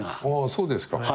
そうですか。